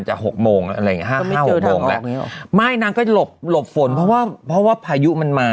จากหกโมงอะไรห้าห้าหกโมงแล้วไม่นางก็หลบหลบฝนเพราะว่าเพราะว่าพายุมันมา